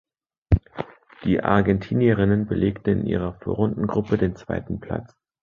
Die Argentinierinnen belegten in ihrer Vorrundengruppe den zweiten Platz.